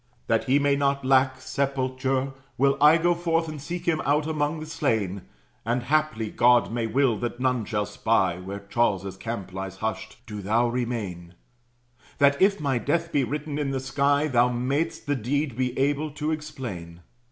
"That he may not lack sepulture, will I Go forth, and seek him out among the slain; And haply God may will that none shall spy Where Charles's camp lies hushed. Do thou remain; That, if my death be written in the sky, Thou may'st the deed be able to explain.